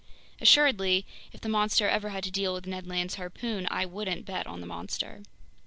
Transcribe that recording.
Assuredly, if the monster ever had to deal with Ned Land's harpoon, I wouldn't bet on the monster.